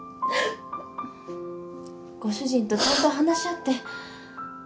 ご主人とちゃんと話し合って。